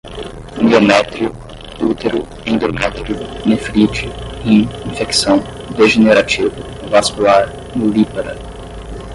miométrio, útero, endométrio, nefrite, rim, infecção, degenerativo, vascular, nulípara